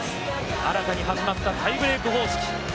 新たに始まったタイブレーク方式。